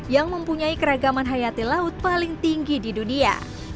yang mempunyai keragaman hayati laut paling tinggi di dunia